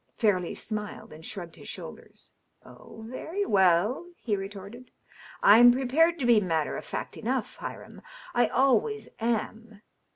Fairleigh smiled and shrugged his shoulders. " Oh, very well," he retorted. " Fm prepared to be matter of fact enough, Hiram ; I always am.